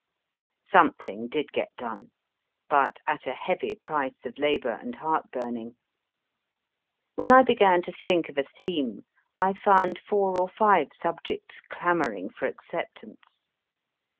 Something did get done, but at a heavy price of labour and heart burning. When I began to think of a theme, I found four or five subjects clamouring for acceptance.